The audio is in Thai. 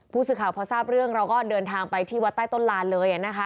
ผู้สื่อข่าวพอทราบเรื่องเราก็เดินทางไปที่วัดใต้ต้นลานเลย